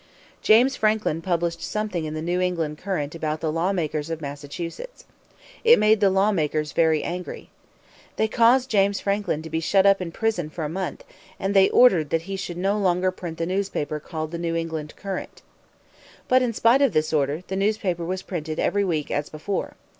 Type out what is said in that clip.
James Franklin published something in the New England Courant about the lawmakers of Massachusetts. It made the lawmakers very angry. They caused James Franklin to be shut up in prison for a month, and they ordered that he should no longer print the newspaper called the New England Courant. But, in spite of this order, the newspaper was printed every week as before.